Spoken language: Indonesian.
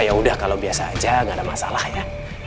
yaudah kalau biasa aja gak ada masalah ya